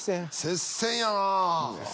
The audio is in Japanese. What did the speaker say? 接戦やな。